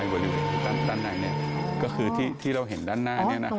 อยู่ใกล้บริเวณด้านในเนี่ยก็คือที่เราเห็นด้านหน้าเนี่ยนะครับ